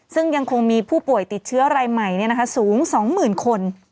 ซึ่งยังคงมีผู้ป่วยติดเชื้อรายใหม่เนี่ยนะคะสูงสองหมื่นคน